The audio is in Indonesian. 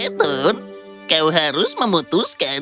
ethan kau harus memutuskan